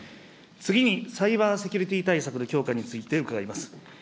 次に、サイバーセキュリティ対策の強化について伺います。